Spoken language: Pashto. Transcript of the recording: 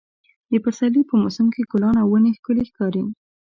د پسرلي په موسم کې ګلان او ونې ښکلې ښکاري.